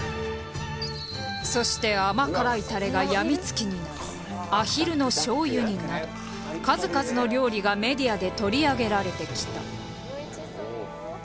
そして甘辛いタレが病み付きになるアヒルの醤油煮など数々の料理がメディアで取り上げられてきた。